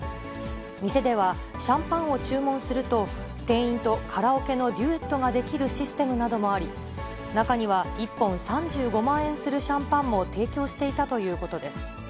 店では、シャンパンを注文すると店員とカラオケのデュエットができるシステムなどもあり、中には１本３５万円するシャンパンも提供していたということです。